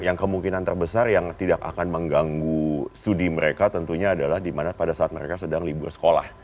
yang kemungkinan terbesar yang tidak akan mengganggu studi mereka tentunya adalah di mana pada saat mereka sedang libur sekolah